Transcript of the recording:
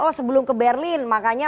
roh sebelum ke berlin makanya